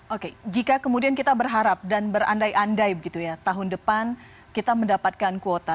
oke jika kemudian kita berharap dan berandai andai begitu ya tahun depan kita mendapatkan kuota